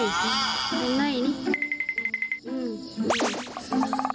ยังไงนี่